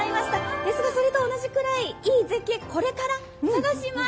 ですがそれと同じくらいいい絶景、これから探します。